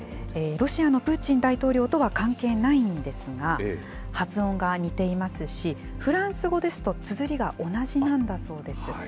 ロシアのプーチン大統領とは関係ないんですが、発音が似ていますし、フランス語ですと、つづりが同じなんだそうです。